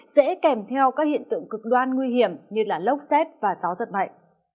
dễ kèm theo các hiện tượng cực đoan nguy hiểm như lốc xét và gió giật mạnh